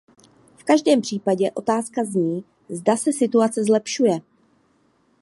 V každém případě otázka zní, zda se situace zlepšuje.